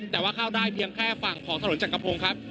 แต่ว่าเข้าได้เพียงแค่ฝั่งของถนนจักรพงศ์ครับ